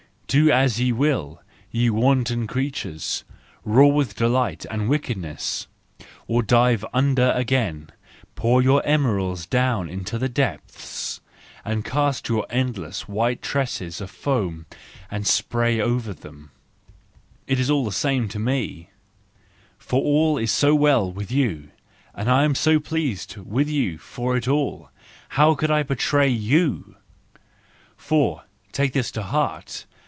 Do as ye will, ye wanton creatures, roar with delight and wickedness —or dive under again, pour your emeralds down into the depths, and cast your endless white tresses of foam and spray over them—it is all the same to me, for all is so well with you, and I am so pleased with you for it all: how could I betray you ! For —take this to heart!